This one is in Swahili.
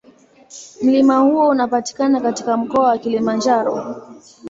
Mlima huo unapatikana katika Mkoa wa Kilimanjaro.